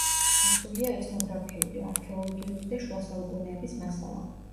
დაცულია ეთნოგრაფიული, არქეოლოგიური და შუა საუკუნეების მასალა.